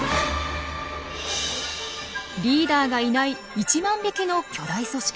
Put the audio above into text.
リーダーがいない１万匹の巨大組織。